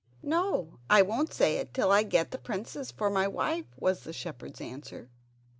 "No, I won't say it till I get the princess for my wife," was the shepherd's answer.